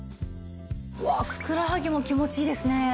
うわあふくらはぎも気持ちいいですね。